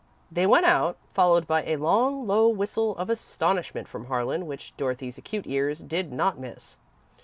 They went out, followed by a long, low whistle of astonishment from Harlan which Dorothy's acute ears did not miss.